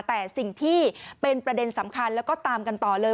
แต่สิ่งที่เป็นประเด็นสำคัญแล้วก็ตามกันต่อเลย